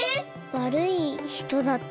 わるいひとだったの？